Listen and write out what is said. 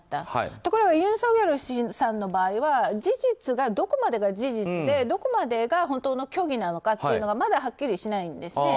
ところがユン・ソギョルさんの場合は事実がどこまでが事実でどこまでが虚偽なのかまだはっきりしないんですね。